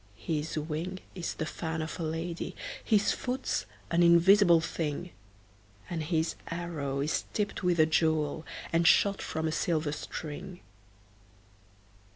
His wing is the fan of a lady, His foot's an invisible thing, And his arrow is tipped with a jewel, And shot from a silver string.